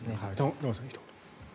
玉川さん、ひと言。